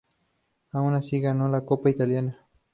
Aun así, ganó la Copa Italia.